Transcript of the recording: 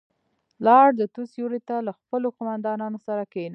لاړ، د توت سيورې ته له خپلو قوماندانانو سره کېناست.